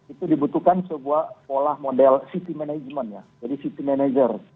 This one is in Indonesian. itu dibutuhkan sebuah pola model city management ya jadi city manager